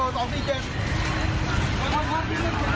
ตาย